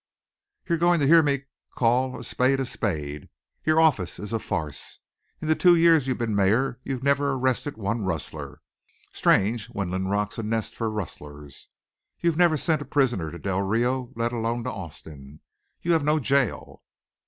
"You're going to hear me call a spade a spade. Your office is a farce. In the two years you've been mayor you've never arrested one rustler. Strange, when Linrock's a nest for rustlers! You've never sent a prisoner to Del Rio, let alone to Austin. You have no jail.